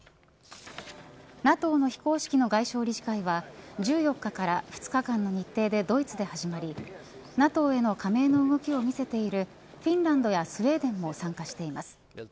ＮＡＴＯの非公式の外相理事会は１４日から２日間の日程でドイツで始まりＮＡＴＯへの加盟の動きを見せているフィンランドやスウェーデンも参加しています。